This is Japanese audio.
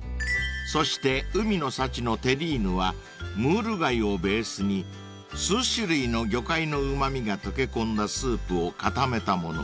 ［そして海の幸のテリーヌはムール貝をベースに数種類の魚介のうま味が溶け込んだスープを固めたもの］